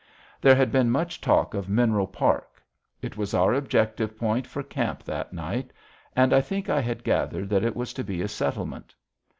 There had been much talk of Mineral Park. It was our objective point for camp that night, and I think I had gathered that it was to be a settlement.